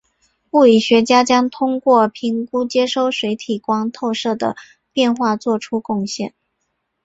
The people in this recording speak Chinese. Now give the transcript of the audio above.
物理学家将通过评估接收水体光透射的变化做出贡献。